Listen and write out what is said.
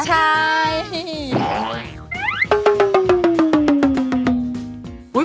ใช่